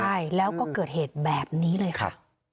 ใช่แล้วก็เกิดเหตุแบบนี้เลยค่ะ